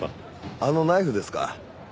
あのナイフですか。